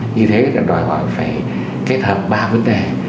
như thế là đòi hỏi phải kết hợp ba vấn đề